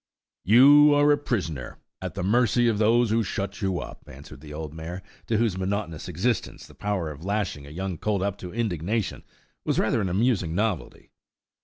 "You are a prisoner, at the mercy of those who shut you up," answered the old mare, to whose monotonous existence the power of lashing a young colt up to indignation was rather an amusing novelty.